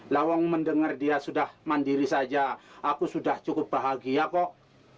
lawang mendengar dia sudah mandiri saja aku sudah cukup bahagia kok